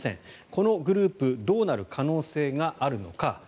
このグループどうなる可能性があるのか。